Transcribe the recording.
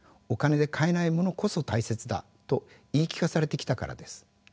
「お金で買えないものこそ大切だ」と言い聞かされてきたからです。